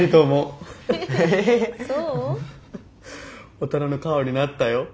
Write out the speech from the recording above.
大人の顔になったよ。